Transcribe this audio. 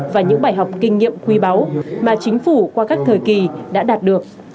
và những bài học kinh nghiệm quý báu mà chính phủ qua các thời kỳ đã đạt được